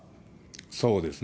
そうですね。